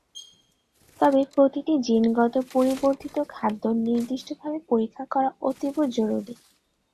তবে প্রতিটি জিনগত পরিবর্তিত খাদ্য নির্দিষ্টভাবে পরীক্ষা করা অতীব জরুরি।